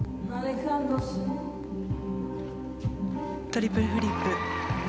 トリプルフリップ。